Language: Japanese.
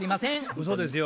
うそですよ。